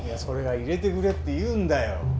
それが入れてくれって言うんだよ。